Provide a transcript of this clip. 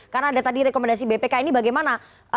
karena ada tadi rekomendasi bpk ini bagaimana